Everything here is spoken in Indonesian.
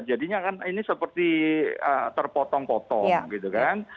jadinya kan ini seperti terpotong potong gitu kan